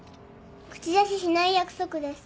口出ししない約束です。